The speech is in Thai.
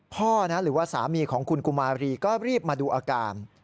หรือว่าสามีของคุณกุมารีก็รีบมาดูอาการ